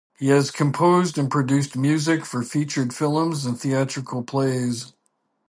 He has composed and produced music for featured films and theatrical plays.